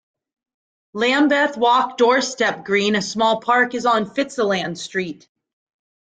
Lambeth Walk Doorstep Green, a small park, is on Fitzalan Street.